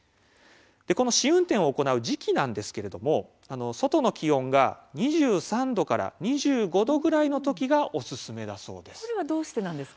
この試運転を行う時期なんですが外の気温が２３度から２５度ぐらいの時がおすすめだそうです。